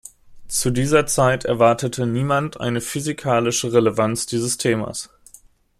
Zu dieser Zeit erwartete niemand eine physikalische Relevanz dieses Themas.